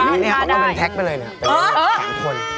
อันนี้ก็เป็นแท็กซ์ไปเลยนะเป็น๓คน